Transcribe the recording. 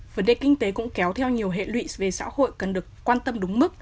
vấn đề kinh tế cũng kéo theo nhiều hệ lụy về xã hội cần được quan tâm đúng mức